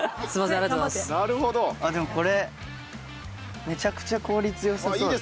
ああでもこれめちゃくちゃ効率良さそう。